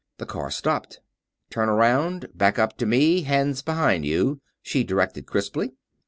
The car stopped. "Turn around. Back up to me, hands behind you," she directed, crisply.